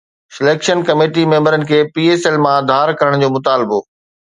selection committee ميمبرن کي P S L مان ڌار ڪرڻ جو مطالبو